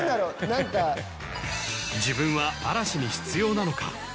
何か自分は嵐に必要なのか？